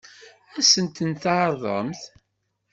Ad sen-ten-tɛeṛḍemt?